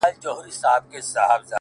• ستړي منډي به مي ستا درشل ته راوړې ,